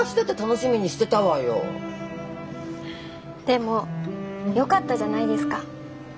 でもよかったじゃないですか。